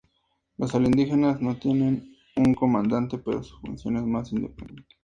Los alienígenas no tienen un comandante pero su función es más independiente.